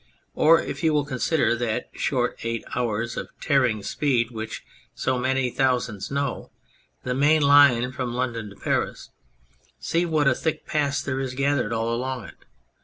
Or if you will consider that short eight hours of tearing speed which so many thousands know, the main line from London to Paris, see what a thick past there is gathered all along it.